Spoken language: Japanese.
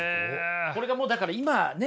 これがもうだから今ね